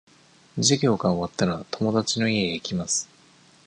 授業が終わったら、友達の家へ行きます。